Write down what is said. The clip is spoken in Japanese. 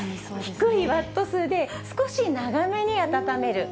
低いワット数で、少し長めに温める。